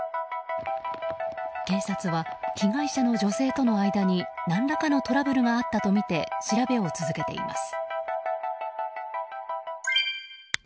警察は、被害者の女性との間に何らかのトラブルがあったとみて調べを続けています。